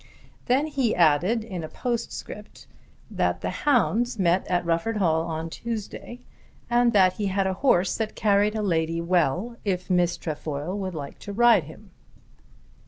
Then he added in a postscript that the hounds met at Rufford Hall on Tuesday and that he had a horse that carried a lady well if Miss Trefoil would like to ride him.